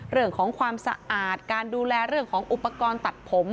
เรื่องของความสะอาดการดูแลเรื่องของอุปกรณ์ตัดผม